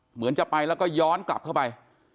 เหมือนจะไปแล้วก็ย้อนกลับเข้าไป